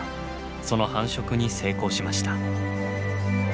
その繁殖に成功しました。